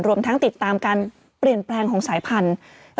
รวมทั้งติดตามการเปลี่ยนแปลงของสายพันธุ์